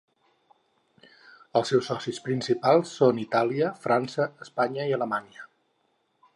Els seus socis principals són Itàlia, França, Espanya i Alemanya.